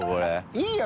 いいよ！